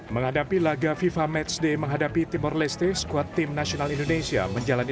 menghadapi laga fifa matchday menghadapi timor leste skuad tim nasional indonesia menjalani